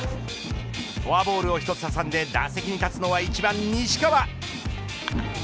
フォアボールを１つ挟んで打席に立つのは１番西川。